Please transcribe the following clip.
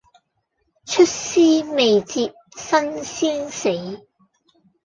出師未捷身先死